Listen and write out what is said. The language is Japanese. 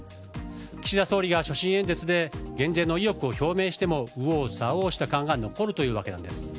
岸田総理が所信演説で減税の意欲を表明しても右往左往した感が残るというわけです。